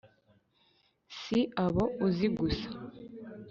si abo uzi gusa